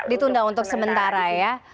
ditunda untuk sementara ya